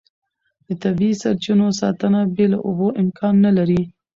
د طبیعي سرچینو ساتنه بې له اوبو امکان نه لري.